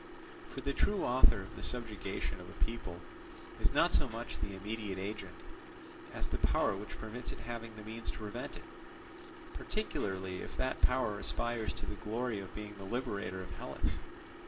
For the true author of the subjugation of a people is not so much the immediate agent, as the power which permits it having the means to prevent it; particularly if that power aspires to the glory of being the liberator of Hellas.